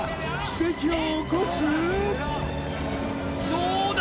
どうだ？